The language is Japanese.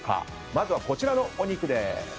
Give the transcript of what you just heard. まずはこちらのお肉でーす。